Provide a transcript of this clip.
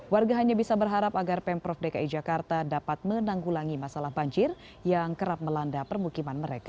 warga hanya bisa berharap agar pemprov dki jakarta dapat menanggulangi masalah banjir yang kerap melanda permukiman mereka